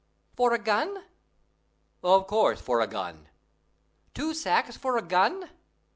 "For a gun?" "Of course, for a gun." "Two sacks for a gun?"